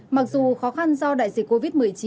mặc dù khó khăn do đại dịch covid một mươi chín